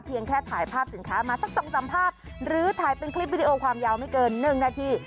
แค่ถ่ายภาพสินค้ามาสักสองสามภาพหรือถ่ายเป็นคลิปวิดีโอความยาวไม่เกิน๑นาที